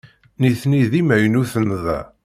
Nitni d imaynuten da.